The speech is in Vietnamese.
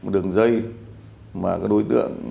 đường dây mà đối tượng